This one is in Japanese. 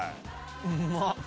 うまっ！